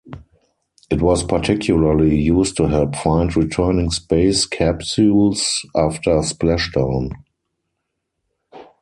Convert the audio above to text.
It was particularly used to help find returning space capsules after splashdown.